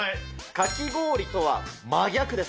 かき氷とは真逆です。